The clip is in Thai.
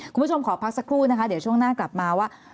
คุณผู้ชมขอพักสักครู่นะคะเดี๋ยวช่วงหน้ากลับมาว่า